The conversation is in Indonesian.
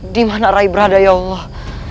dimana rai berada ya allah